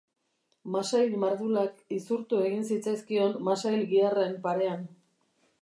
Masail mardulak izurtu egin zitzaizkion masail-giharren parean.